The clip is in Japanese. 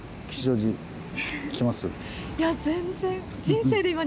いや全然。